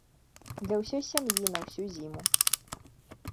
Для ўсёй сям'і на ўсю зіму.